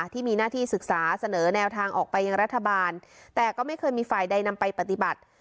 ที่มีหน้าที่ศึกษาเสนอแนวทางออกไปยังรัฐบาลแต่ก็ไม่เคยมีฝ่ายใดนำไปปฏิบัติ